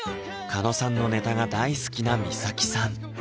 狩野さんのネタが大好きな美咲さん